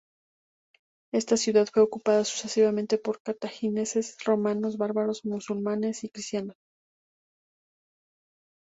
Esta ciudad fue ocupada, sucesivamente, por cartagineses, romanos, bárbaros, musulmanes y cristianos.